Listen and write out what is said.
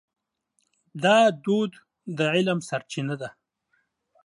دا دود د علم سرچینه ده.